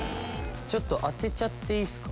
ちょっと当てちゃっていいっすか？